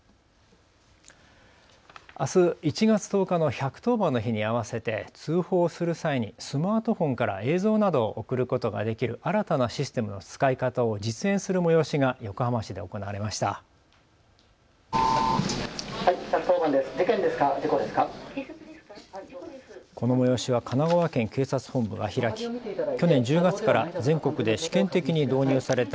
あす、１月１０日の１１０番の日に合わせて通報をする際にスマートフォンから映像などを送ることができる新たなシステムの使い方を実演する催しが横浜市で行われました。